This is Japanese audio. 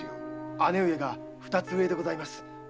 姉上が二つ上でございます。